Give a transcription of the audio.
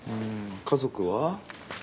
家族は？